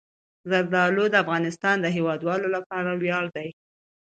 زردالو د افغانستان د هیوادوالو لپاره ویاړ دی.